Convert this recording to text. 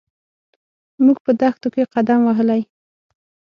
موږ په دښتو کې قدم وهلی.